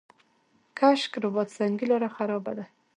کشک رباط سنګي لاره خرابه ده؟